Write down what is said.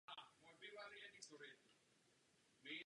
Další roky se pohyboval ve druhé a pár let i ve třetí lize.